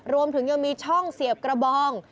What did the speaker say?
รวมถึงยังมีช่องเสียบกระบอง